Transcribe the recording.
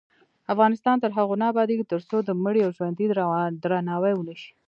افغانستان تر هغو نه ابادیږي، ترڅو د مړي او ژوندي درناوی ونشي.